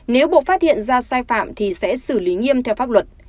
nếu bộ phát hiện ra sai phạm thì sẽ xử lý nghiêm theo pháp luật